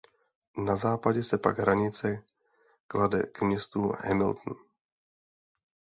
Na západě se pak hranice klade k městu Hamilton.